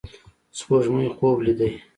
سپوږمۍ خوب لیدې